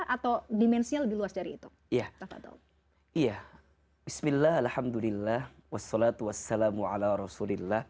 atau dimensinya lebih luas dari itu